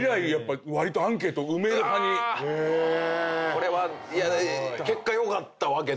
これは結果よかったわけですもんね。